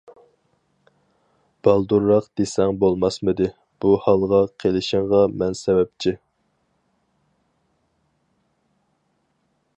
بالدۇرراق دېسەڭ بولماسمىدى؟ بۇ ھالغا قېلىشىڭغا مەن سەۋەبچى.